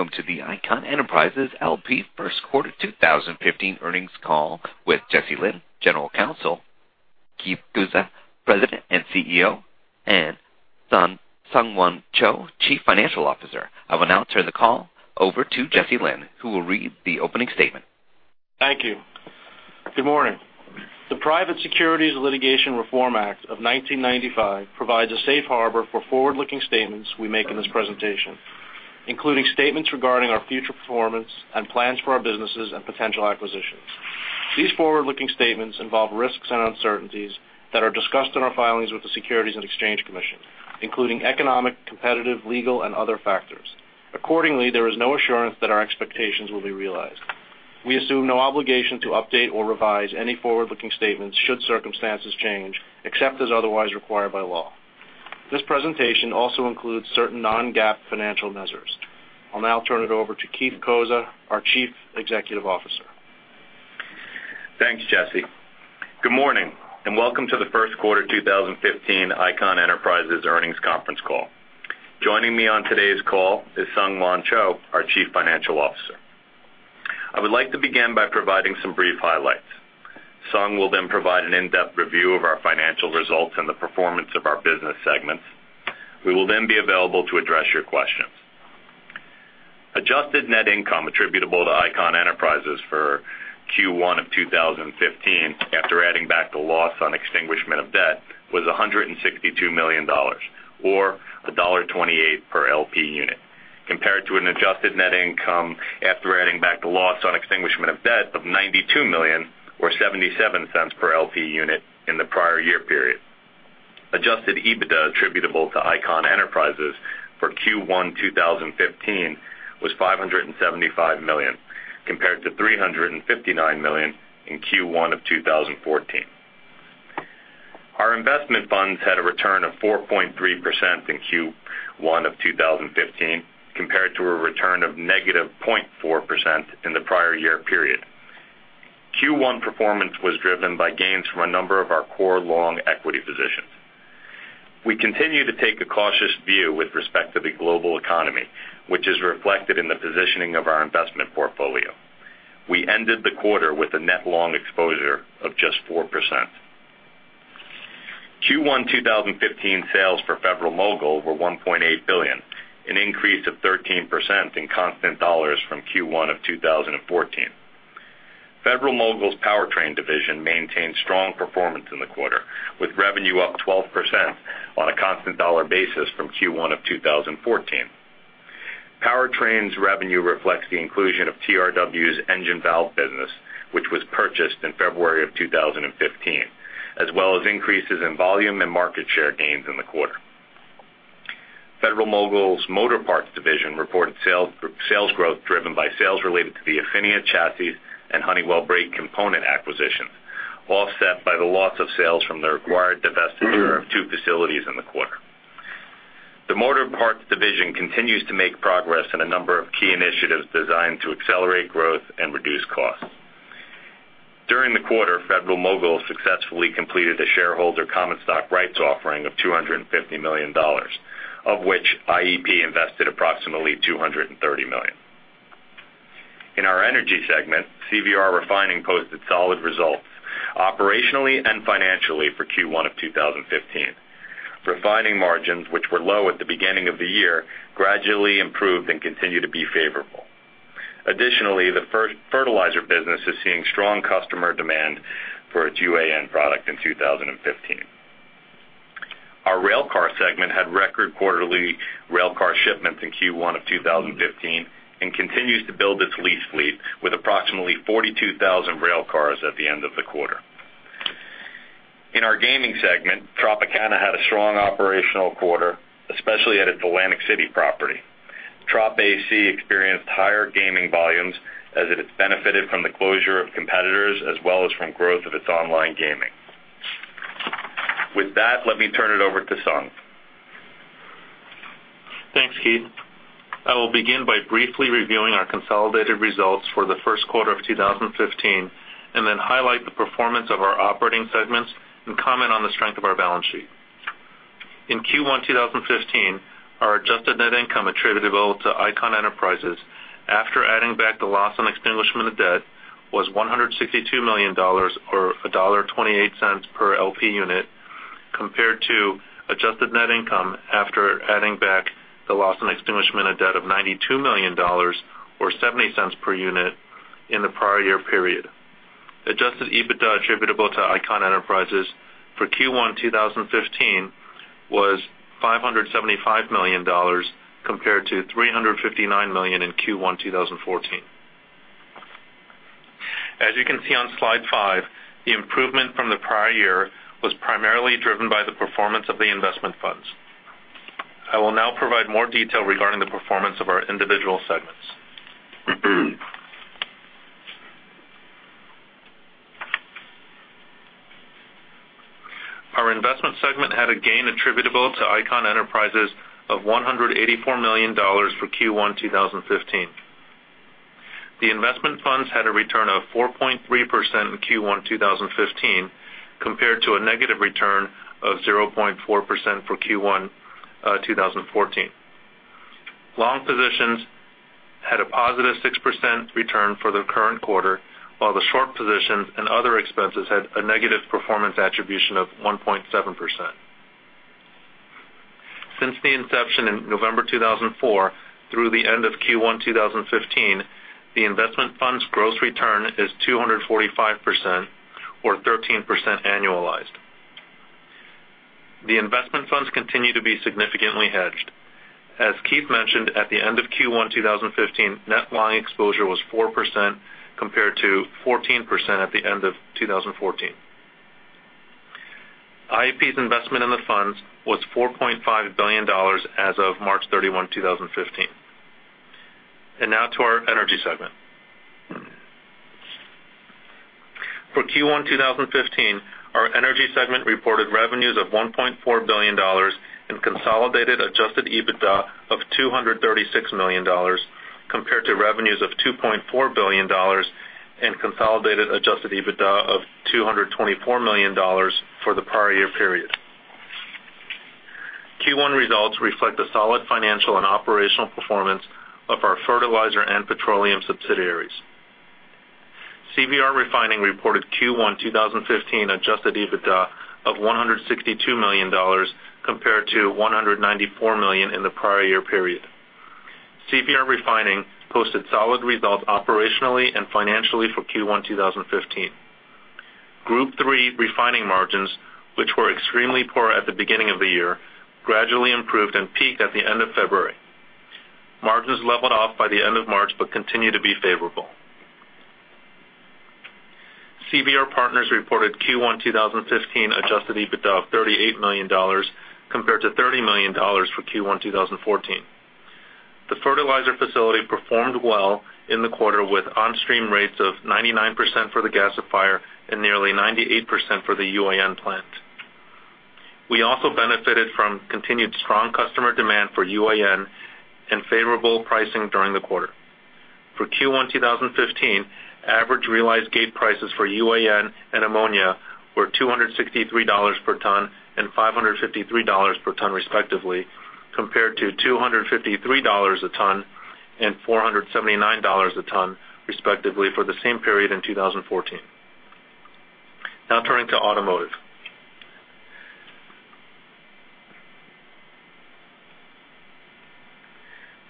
Good morning, and welcome to the Icahn Enterprises L.P. First Quarter 2015 earnings call with Jesse Lynn, General Counsel, Keith Cozza, President and CEO, and SungHwan Cho, Chief Financial Officer. I will now turn the call over to Jesse Lynn, who will read the opening statement. Thank you. Good morning. The Private Securities Litigation Reform Act of 1995 provides a safe harbor for forward-looking statements we make in this presentation, including statements regarding our future performance and plans for our businesses and potential acquisitions. These forward-looking statements involve risks and uncertainties that are discussed in our filings with the Securities and Exchange Commission, including economic, competitive, legal, and other factors. Accordingly, there is no assurance that our expectations will be realized. We assume no obligation to update or revise any forward-looking statements should circumstances change, except as otherwise required by law. This presentation also includes certain non-GAAP financial measures. I'll now turn it over to Keith Cozza, our Chief Executive Officer. Thanks, Jesse. Good morning. Welcome to the First Quarter 2015 Icahn Enterprises Earnings Conference Call. Joining me on today's call is SungHwan Cho, our Chief Financial Officer. I would like to begin by providing some brief highlights. Sung will then provide an in-depth review of our financial results and the performance of our business segments. We will then be available to address your questions. Adjusted net income attributable to Icahn Enterprises for Q1 2015, after adding back the loss on extinguishment of debt, was $162 million, or $1.28 per LP unit, compared to an adjusted net income after adding back the loss on extinguishment of debt of $92 million or $0.77 per LP unit in the prior year period. Adjusted EBITDA attributable to Icahn Enterprises for Q1 2015 was $575 million, compared to $359 million in Q1 2014. Our investment funds had a return of 4.3% in Q1 2015 compared to a return of negative 0.4% in the prior year period. Q1 performance was driven by gains from a number of our core long equity positions. We continue to take a cautious view with respect to the global economy, which is reflected in the positioning of our investment portfolio. We ended the quarter with a net long exposure of just 4%. Q1 2015 sales for Federal-Mogul were $1.8 billion, an increase of 13% in constant dollars from Q1 2014. Federal-Mogul's Powertrain division maintained strong performance in the quarter, with revenue up 12% on a constant dollar basis from Q1 2014. Powertrain's revenue reflects the inclusion of TRW's engine valve business, which was purchased in February 2015, as well as increases in volume and market share gains in the quarter. Federal-Mogul's Motorparts division reported sales growth driven by sales related to the Affinia Chassis and Honeywell Brake Component acquisition, offset by the loss of sales from the required divestiture of two facilities in the quarter. The Motorparts division continues to make progress on a number of key initiatives designed to accelerate growth and reduce costs. During the quarter, Federal-Mogul successfully completed a shareholder common stock rights offering of $250 million, of which IEP invested approximately $230 million. In our energy segment, CVR Refining posted solid results operationally and financially for Q1 of 2015. Refining margins, which were low at the beginning of the year, gradually improved and continue to be favorable. Additionally, the fertilizer business is seeing strong customer demand for its UAN product in 2015. Our railcar segment had record quarterly railcar shipments in Q1 of 2015 and continues to build its lease fleet with approximately 42,000 railcars at the end of the quarter. In our gaming segment, Tropicana had a strong operational quarter, especially at its Atlantic City property. Trop AC experienced higher gaming volumes as it has benefited from the closure of competitors as well as from growth of its online gaming. With that, let me turn it over to Sung. Thanks, Keith. I will begin by briefly reviewing our consolidated results for the first quarter of 2015 and then highlight the performance of our operating segments and comment on the strength of our balance sheet. In Q1 2015, our adjusted net income attributable to Icahn Enterprises, after adding back the loss on extinguishment of debt, was $162 million, or $1.28 per LP unit, compared to adjusted net income after adding back the loss on extinguishment of debt of $92 million, or $0.70 per unit, in the prior year period. Adjusted EBITDA attributable to Icahn Enterprises for Q1 2015 was $575 million, compared to $359 million in Q1 2014. As you can see on slide five, the improvement from the prior year was primarily driven by the performance of the investment funds. I will now provide more detail regarding the performance of our individual segments. Our investment segment had a gain attributable to Icahn Enterprises of $184 million for Q1 2015. The investment funds had a return of 4.3% in Q1 2015 compared to a negative return of 0.4% for Q1 2014. Long positions had a positive 6% return for the current quarter, while the short positions and other expenses had a negative performance attribution of 1.7%. Since the inception in November 2004 through the end of Q1 2015, the investment fund's gross return is 245% or 13% annualized. The investment funds continue to be significantly hedged. As Keith mentioned, at the end of Q1 2015, net long exposure was 4% compared to 14% at the end of 2014. IEP's investment in the funds was $4.5 billion as of March 31, 2015. Now to our energy segment. For Q1 2015, our energy segment reported revenues of $1.4 billion and consolidated adjusted EBITDA of $236 million compared to revenues of $2.4 billion and consolidated adjusted EBITDA of $224 million for the prior year period. Q1 results reflect the solid financial and operational performance of our fertilizer and petroleum subsidiaries. CVR Refining reported Q1 2015 adjusted EBITDA of $162 million compared to $194 million in the prior year period. CVR Refining posted solid results operationally and financially for Q1 2015. Group 3 refining margins, which were extremely poor at the beginning of the year, gradually improved and peaked at the end of February. Margins leveled off by the end of March, continue to be favorable. CVR Partners reported Q1 2015 adjusted EBITDA of $38 million compared to $30 million for Q1 2014. The fertilizer facility performed well in the quarter, with on-stream rates of 99% for the gasifier and nearly 98% for the UAN plant. We also benefited from continued strong customer demand for UAN and favorable pricing during the quarter. For Q1 2015, average realized gate prices for UAN and ammonia were $263 per ton and $553 per ton respectively, compared to $253 a ton and $479 a ton respectively for the same period in 2014. Now turning to automotive.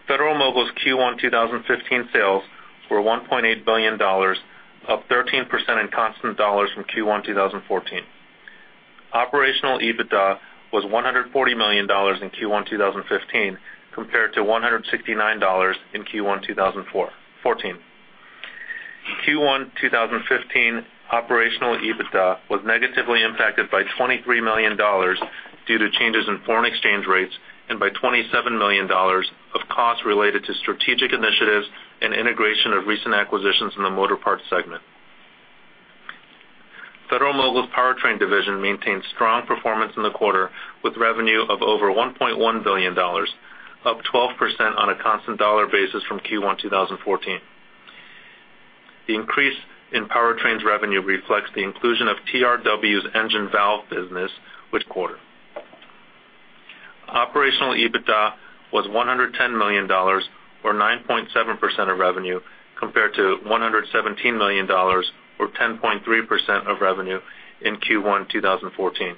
Federal-Mogul's Q1 2015 sales were $1.8 billion, up 13% in constant dollars from Q1 2014. Operational EBITDA was $140 million in Q1 2015 compared to $169 in Q1 2014. Q1 2015 operational EBITDA was negatively impacted by $23 million due to changes in foreign exchange rates and by $27 million of costs related to strategic initiatives and integration of recent acquisitions in the Motorparts segment. Federal-Mogul's Powertrain division maintained strong performance in the quarter with revenue of over $1.1 billion, up 12% on a constant dollar basis from Q1 2014. The increase in Powertrain's revenue reflects the inclusion of TRW's engine valve business this quarter. Operational EBITDA was $110 million, or 9.7% of revenue, compared to $117 million, or 10.3% of revenue in Q1 2014.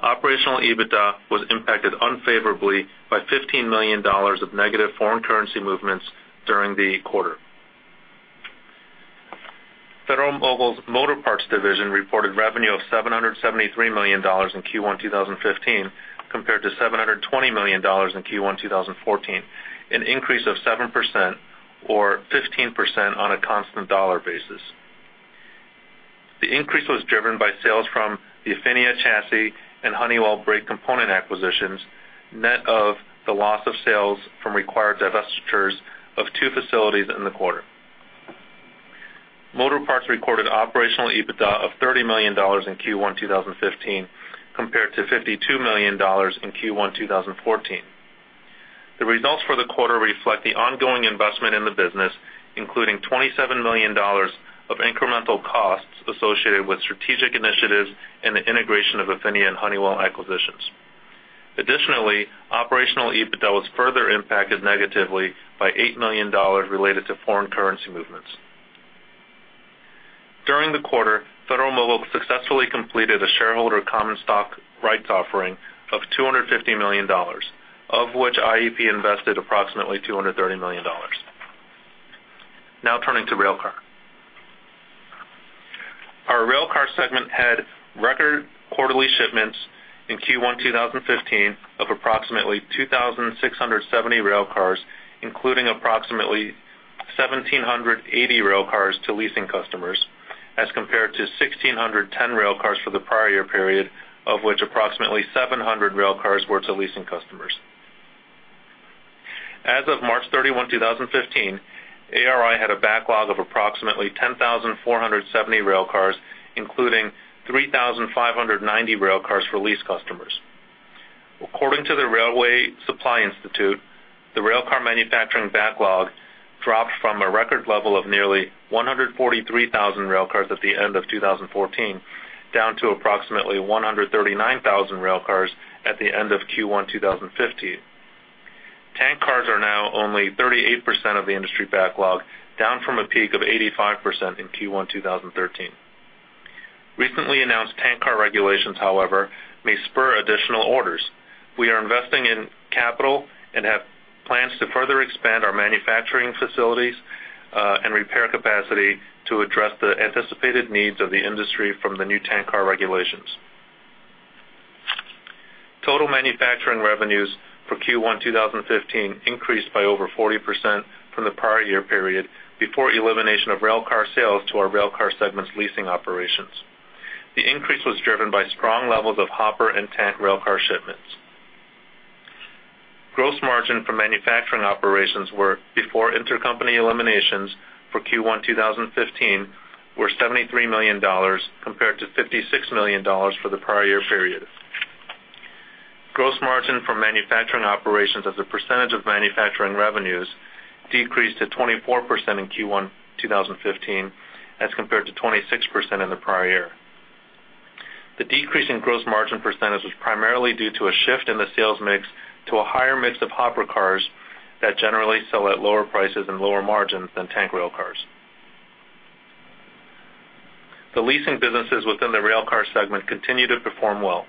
Operational EBITDA was impacted unfavorably by $15 million of negative foreign currency movements during the quarter. Federal-Mogul's Motorparts division reported revenue of $773 million in Q1 2015 compared to $720 million in Q1 2014, an increase of 7% or 15% on a constant dollar basis. The increase was driven by sales from the Affinia Chassis and Honeywell Brake component acquisitions, net of the loss of sales from required divestitures of two facilities in the quarter. Motorparts recorded operational EBITDA of $30 million in Q1 2015 compared to $52 million in Q1 2014. The results for the quarter reflect the ongoing investment in the business, including $27 million of incremental costs associated with strategic initiatives and the integration of Affinia and Honeywell acquisitions. Additionally, operational EBITDA was further impacted negatively by $8 million related to foreign currency movements. During the quarter, Federal-Mogul successfully completed a shareholder common stock rights offering of $250 million, of which IEP invested approximately $230 million. Now turning to Railcar. Our Railcar segment had record quarterly shipments in Q1 2015 of approximately 2,670 Railcars, including approximately 1,780 Railcars to leasing customers, as compared to 1,610 Railcars for the prior year period, of which approximately 700 Railcars were to leasing customers. As of March 31, 2015, ARI had a backlog of approximately 10,470 Railcars, including 3,590 Railcars for lease customers. According to the Railway Supply Institute, the railcar manufacturing backlog dropped from a record level of nearly 143,000 railcars at the end of 2014, down to approximately 139,000 railcars at the end of Q1 2015. Tank cars are now only 38% of the industry backlog, down from a peak of 85% in Q1 2013. Recently announced tank car regulations, however, may spur additional orders. We are investing in capital and have plans to further expand our manufacturing facilities and repair capacity to address the anticipated needs of the industry from the new tank car regulations. Total manufacturing revenues for Q1 2015 increased by over 40% from the prior year period before elimination of railcar sales to our railcar segment's leasing operations. The increase was driven by strong levels of hopper and tank railcar shipments. Gross margin for manufacturing operations were before intercompany eliminations for Q1 2015 were $73 million compared to $56 million for the prior year period. Gross margin from manufacturing operations as a percentage of manufacturing revenues decreased to 24% in Q1 2015 as compared to 26% in the prior year. The decrease in gross margin percentage was primarily due to a shift in the sales mix to a higher mix of hopper cars that generally sell at lower prices and lower margins than tank railcars. The leasing businesses within the railcar segment continue to perform well.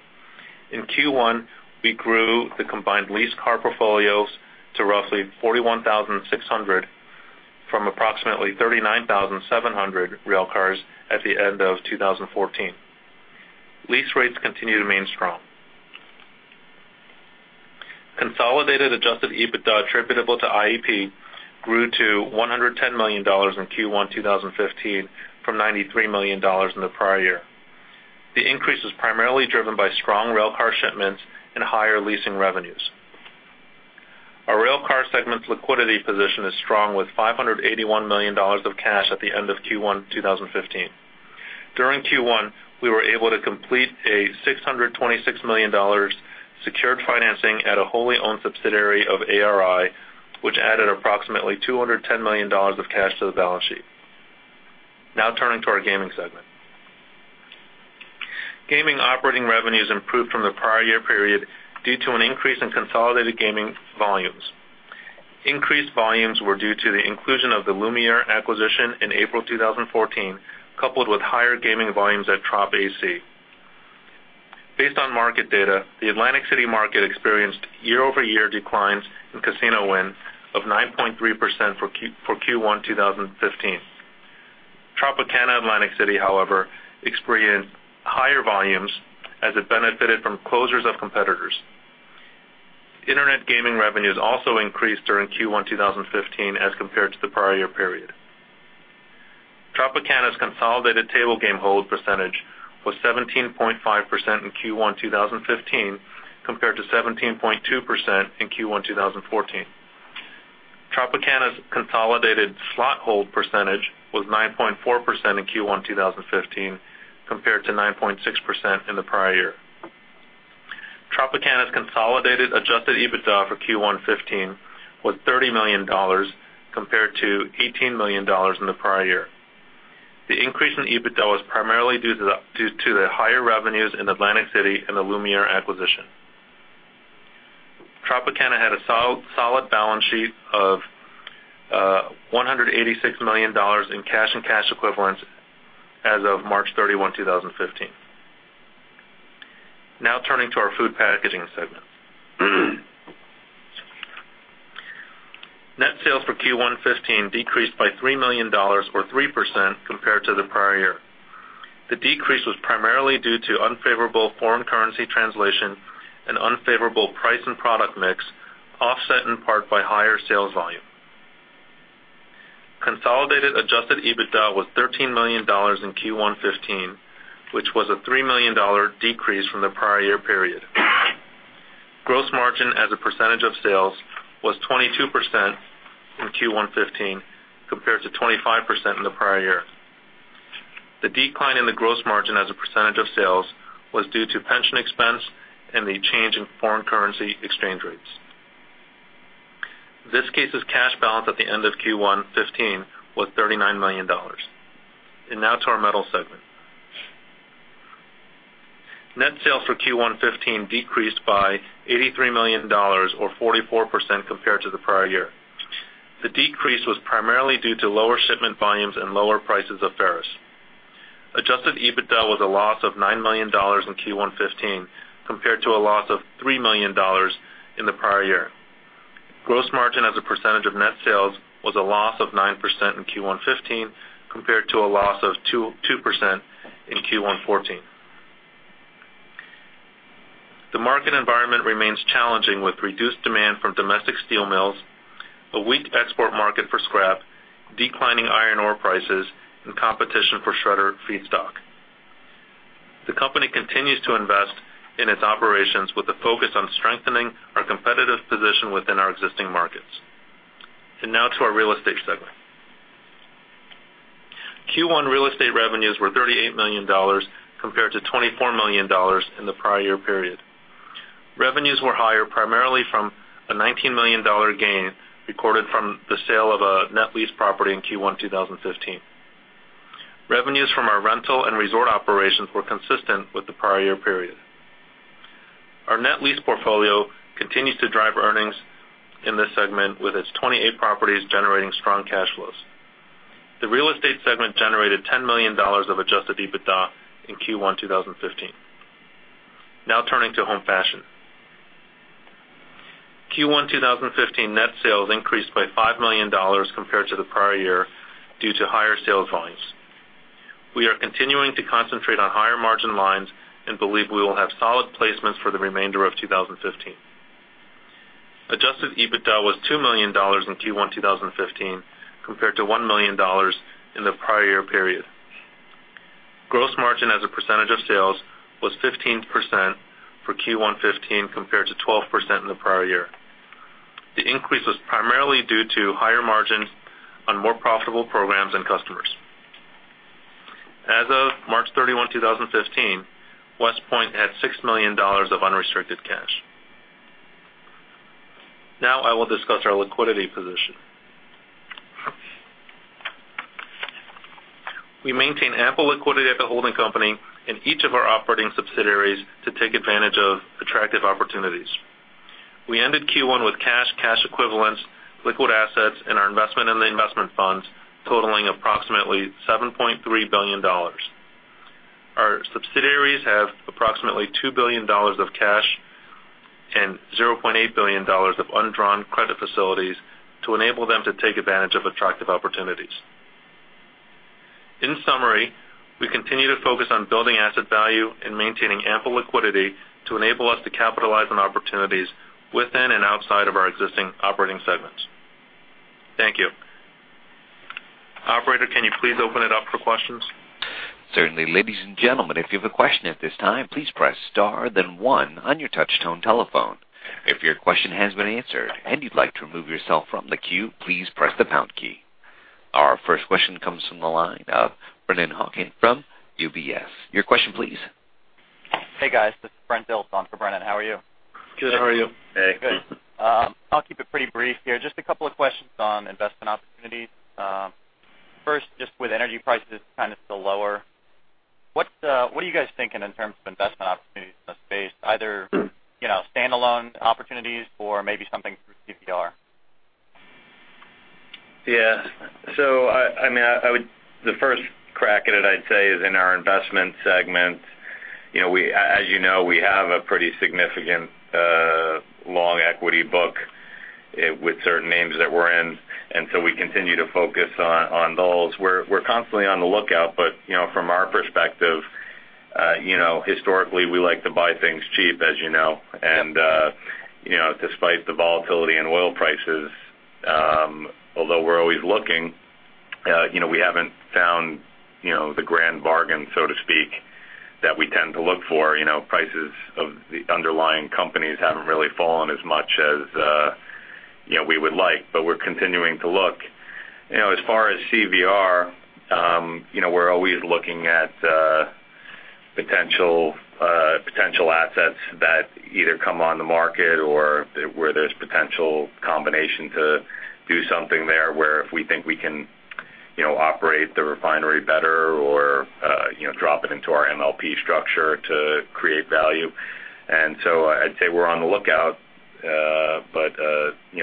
In Q1, we grew the combined lease car portfolios to roughly 41,600 from approximately 39,700 railcars at the end of 2014. Lease rates continue to remain strong. Consolidated adjusted EBITDA attributable to IEP grew to $110 million in Q1 2015 from $93 million in the prior year. The increase was primarily driven by strong railcar shipments and higher leasing revenues. Our railcar segment's liquidity position is strong, with $581 million of cash at the end of Q1 2015. During Q1, we were able to complete a $626 million secured financing at a wholly owned subsidiary of ARI, which added approximately $210 million of cash to the balance sheet. Now turning to our gaming segment. Gaming operating revenues improved from the prior year period due to an increase in consolidated gaming volumes. Increased volumes were due to the inclusion of the Lumière acquisition in April 2014, coupled with higher gaming volumes at Trop AC. Based on market data, the Atlantic City market experienced year-over-year declines in casino wins of 9.3% for Q1 2015. Tropicana Atlantic City, however, experienced higher volumes as it benefited from closures of competitors. Internet gaming revenues also increased during Q1 2015 as compared to the prior year period. Tropicana's consolidated table game hold percentage was 17.5% in Q1 2015 compared to 17.2% in Q1 2014. Tropicana's consolidated slot hold percentage was 9.4% in Q1 2015 compared to 9.6% in the prior year. Tropicana's consolidated adjusted EBITDA for Q1 '15 was $30 million, compared to $18 million in the prior year. The increase in EBITDA was primarily due to the higher revenues in Atlantic City and the Lumière acquisition. Tropicana had a solid balance sheet of $186 million in cash and cash equivalents as of March 31, 2015. Now turning to our food packaging segment. Net sales for Q1 '15 decreased by $3 million, or 3% compared to the prior year. The decrease was primarily due to unfavorable foreign currency translation and unfavorable price and product mix, offset in part by higher sales volume. Consolidated adjusted EBITDA was $13 million in Q1 2015, which was a $3 million decrease from the prior year period. Gross margin as a percentage of sales was 22% in Q1 2015 compared to 25% in the prior year. The decline in the gross margin as a percentage of sales was due to pension expense and the change in foreign currency exchange rates. Viskase's cash balance at the end of Q1 2015 was $39 million. Now to our metal segment. Net sales for Q1 2015 decreased by $83 million or 44% compared to the prior year. The decrease was primarily due to lower shipment volumes and lower prices of ferrous. Adjusted EBITDA was a loss of $9 million in Q1 2015, compared to a loss of $3 million in the prior year. Gross margin as a percentage of net sales was a loss of 9% in Q1 2015, compared to a loss of 2% in Q1 2014. The market environment remains challenging with reduced demand from domestic steel mills, a weak export market for scrap, declining iron ore prices, and competition for shredder feedstock. The company continues to invest in its operations with a focus on strengthening our competitive position within our existing markets. Now to our real estate segment. Revenues were $38 million compared to $24 million in the prior year period. Revenues were higher primarily from a $19 million gain recorded from the sale of a net lease property in Q1 2015. Revenues from our rental and resort operations were consistent with the prior year period. Our net lease portfolio continues to drive earnings in this segment, with its 28 properties generating strong cash flows. The real estate segment generated $10 million of adjusted EBITDA in Q1 2015. Now turning to Home Fashion. Q1 2015 net sales increased by $5 million compared to the prior year due to higher sales volumes. We are continuing to concentrate on higher margin lines and believe we will have solid placements for the remainder of 2015. Adjusted EBITDA was $2 million in Q1 2015 compared to $1 million in the prior year period. Gross margin as a percentage of sales was 15% for Q1 2015 compared to 12% in the prior year. The increase was primarily due to higher margins on more profitable programs and customers. As of March 31, 2015, WestPoint had $6 million of unrestricted cash. Now I will discuss our liquidity position. We maintain ample liquidity at the holding company in each of our operating subsidiaries to take advantage of attractive opportunities. We ended Q1 with cash equivalents, liquid assets, and our investment in the investment funds totaling approximately $7.3 billion. Our subsidiaries have approximately $2 billion of cash and $0.8 billion of undrawn credit facilities to enable them to take advantage of attractive opportunities. In summary, we continue to focus on building asset value and maintaining ample liquidity to enable us to capitalize on opportunities within and outside of our existing operating segments. Thank you. Operator, can you please open it up for questions? Certainly. Ladies and gentlemen, if you have a question at this time, please press star then one on your touchtone telephone. If your question has been answered and you'd like to remove yourself from the queue, please press the pound key. Our first question comes from the line of Brennan Hawken from UBS. Your question please. Hey, guys. This is Brent Dilts on for Brennan. How are you? Good. How are you? Hey. Good. I'll keep it pretty brief here. Just a couple of questions on investment opportunities. First, just with energy prices kind of still lower, what are you guys thinking in terms of investment opportunities in the space, either standalone opportunities or maybe something through CVR? Yeah. The first crack at it, I'd say, is in our investment segment. As you know, we have a pretty significant long equity book with certain names that we're in. We continue to focus on those. We're constantly on the lookout. From our perspective, historically, we like to buy things cheap, as you know. Despite the volatility in oil prices, although we're always looking, we haven't found the grand bargain, so to speak, that we tend to look for. Prices of the underlying companies haven't really fallen as much as we would like. We're continuing to look. As far as CVR, we're always looking at potential assets that either come on the market or where there's potential combination to do something there, where if we think we can operate the refinery better or drop it into our MLP structure to create value. I'd say we're on the lookout.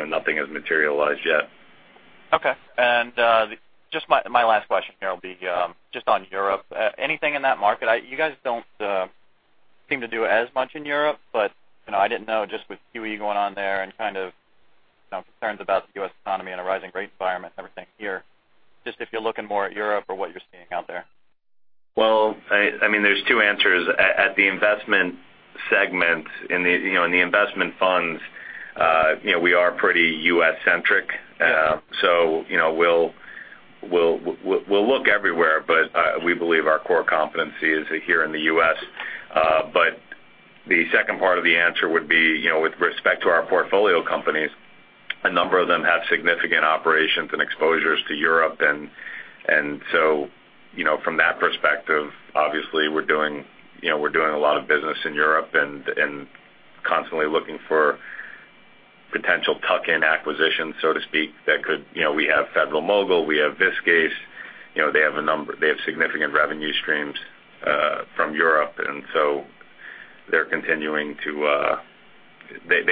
Nothing has materialized yet. Okay. Just my last question here will be just on Europe. Anything in that market? You guys don't seem to do as much in Europe. I didn't know just with QE going on there and kind of concerns about the U.S. economy and a rising rate environment and everything here, just if you're looking more at Europe or what you're seeing out there. Well, there's two answers. At the investment segment, in the investment funds, we are pretty U.S.-centric. Yeah. We'll look everywhere, but we believe our core competency is here in the U.S. The second part of the answer would be, with respect to our portfolio companies, a number of them have significant operations and exposures to Europe. From that perspective, obviously we're doing a lot of business in Europe and constantly looking for potential tuck-in acquisitions, so to speak. We have Federal-Mogul, we have Viskase. They have significant revenue streams from Europe, and so they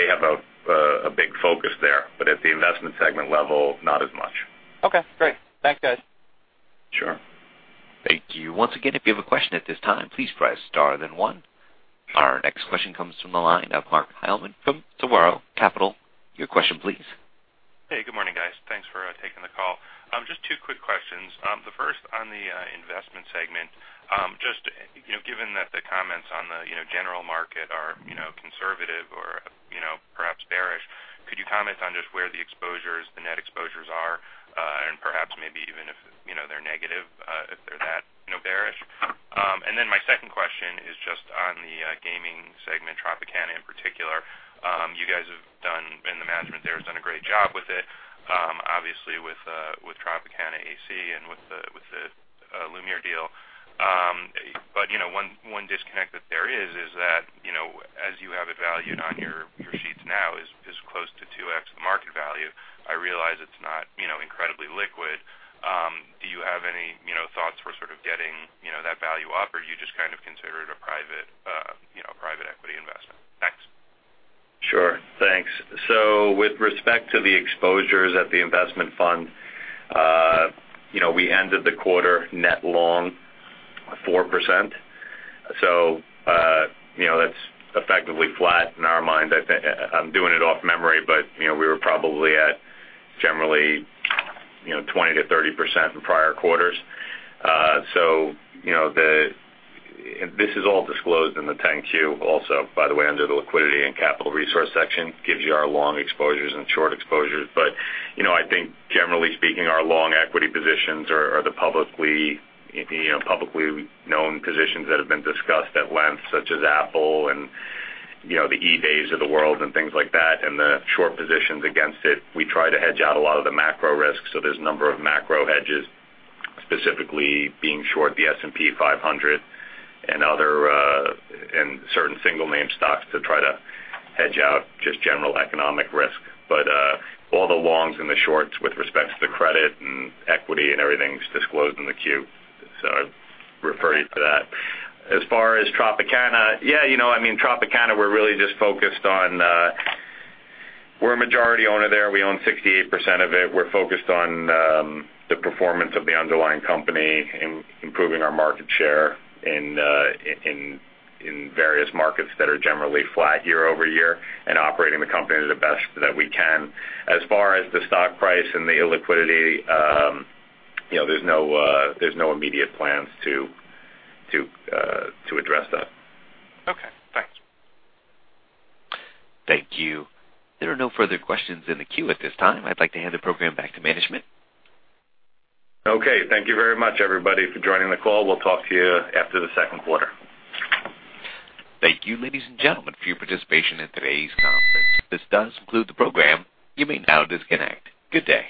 have a big focus there. At the investment segment level, not as much. Okay, great. Thanks, guys. Sure. Thank you. Once again, if you have a question at this time, please press star then one. Our next question comes from the line of Mark Heilman from Tomorrow Capital. Your question please. Hey, good morning, guys. Thanks for taking the call. Just two quick questions. The first on the investment segment. Just given that the comments on the general market are conservative or perhaps bearish, could you comment on just where the net exposures are? Perhaps maybe even if they're negative, if they're that bearish Segment Tropicana in particular. You guys and the management there has done a great job with it, obviously with Tropicana AC and with the Lumière deal. One disconnect that there is that, as you have it valued on your sheets now is close to 2x the market value. I realize it's not incredibly liquid. Do you have any thoughts for sort of getting that value up, or do you just kind of consider it a private equity investment? Thanks. Sure. Thanks. With respect to the exposures at the investment fund, we ended the quarter net long 4%. That's effectively flat in our mind. I'm doing it off memory, we were probably at generally 20%-30% in prior quarters. This is all disclosed in the 10-Q also, by the way, under the liquidity and capital resource section, gives you our long exposures and short exposures. I think generally speaking, our long equity positions are the publicly known positions that have been discussed at length, such as Apple and the eBays of the world and things like that, and the short positions against it. We try to hedge out a lot of the macro risks, there's a number of macro hedges, specifically being short the S&P 500 and certain single name stocks to try to hedge out just general economic risk. All the longs and the shorts with respect to the credit and equity and everything's disclosed in the Q. I'd refer you to that. As far as Tropicana, we're a majority owner there. We own 68% of it. We're focused on the performance of the underlying company, improving our market share in various markets that are generally flat year-over-year, and operating the company the best that we can. As far as the stock price and the illiquidity, there's no immediate plans to address that. Okay. Thanks. Thank you. There are no further questions in the queue at this time. I'd like to hand the program back to management. Okay. Thank you very much, everybody, for joining the call. We'll talk to you after the second quarter. Thank you, ladies and gentlemen, for your participation in today's conference. This does conclude the program. You may now disconnect. Good day.